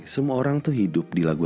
semua orang itu hidup di luar negara